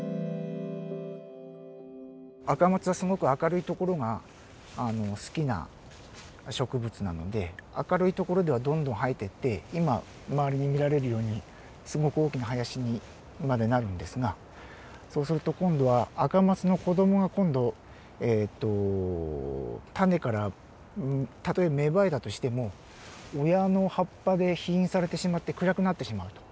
アカマツはすごく明るい所が好きな植物なので明るい所ではどんどん生えてって今周りに見られるようにすごく大きな林にまでなるんですがそうすると今度はアカマツの子どもが今度種からたとえ芽生えたとしても親の葉っぱで庇陰されてしまって暗くなってしまうと。